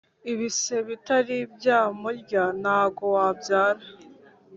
Ibise bitari byamurya nago wabyara